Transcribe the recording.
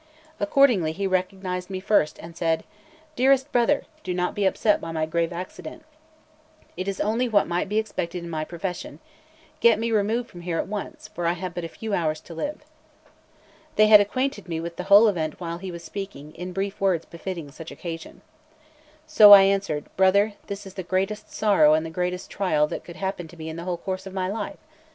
Accordingly, he recognised me first, and said: "Dearest brother, do not be upset by my grave accident; it is only what might be expected in my profession: get me removed from here at once, for I have but few hours to live." They had acquainted me with the whole event while he was speaking, in brief words befitting such occasion. So I answered: "Brother, this is the greatest sorrow and the greatest trial that could happen to me in the whole course of my life.